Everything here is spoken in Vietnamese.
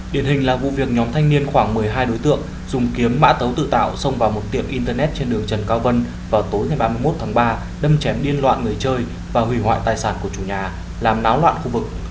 điển hình là vụ việc nhóm thanh niên khoảng một mươi hai đối tượng dùng kiếm mã tấu tự tạo xông vào một tiệm internet trên đường trần cao vân vào tối ngày ba mươi một tháng ba đâm chém liên loạn người chơi và hủy hoại tài sản của chủ nhà làm náo loạn khu vực